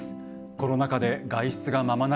コロナ禍で外出がままならない。